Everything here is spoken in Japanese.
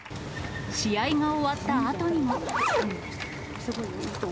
試合が終わったあとにも。